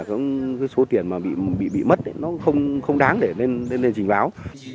cái số tiền mà bị mất đấy nó không đáng để lên trình báo